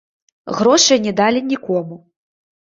Грошай не далі нікому.